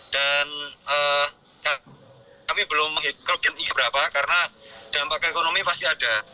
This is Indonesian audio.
dan kami belum mengikuti berapa karena dampak keekonomi pasti ada